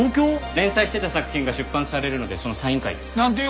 連載してた作品が出版されるのでそのサイン会です。なんていう本？